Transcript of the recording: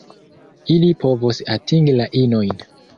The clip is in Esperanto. Ili povos atingi la inojn.